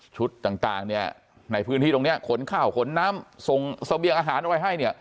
ชุดต่างในพื้นที่ตรงนี้ขนข้าวขนน้ำส่งเสียงอาหารไว้ให้